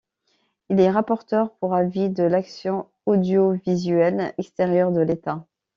Il est Rapporteur pour avis de l’Action Audiovisuelle Extérieure de l’État.